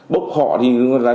bốc họ thì